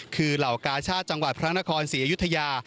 คือเหล่ากาชาติจังหวัดพระนครศรีอยุธยา